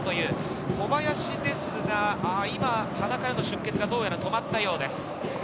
小林ですが、今、鼻からの出血がどうやら止まったようです。